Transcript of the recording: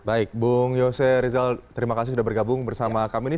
baik bung yose rizal terima kasih sudah bergabung bersama kami ini